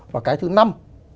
và cái thứ năm